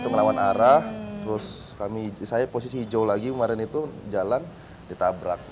ngelawan arah terus kami saya posisi hijau lagi kemarin itu jalan ditabrak